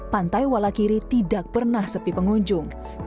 pantai walakiri tidak pernah sepi pengunjung